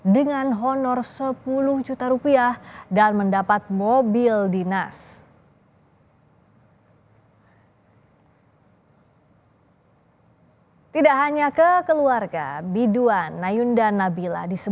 dengan honor sepuluh juta rupiah dan mendapat mobil dinas